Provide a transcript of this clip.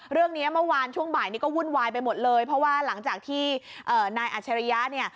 เรื่องนี้เมื่อวานช่วงบ่ายนี้ก็วุ่นวายไปหมดเลยเพราะว่าหลังจากที่นายอัชริยะเนี่ย